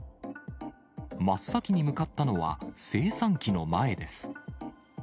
真っ先に向かったのは、精算機の前です。